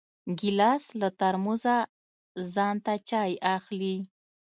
ګیلاس له ترموزه ځان ته چای اخلي.